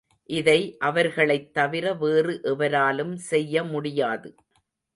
இதை அவர்களைத்தவிர வேறு எவராலும் செய்ய முடியாது.